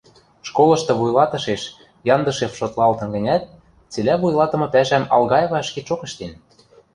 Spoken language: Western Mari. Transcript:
Школышты вуйлатышеш Яндышев шотлалтын гӹнят, цилӓ вуйлатымы пӓшӓм Алгаева ӹшкетшок ӹштен.